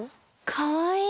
かわいい！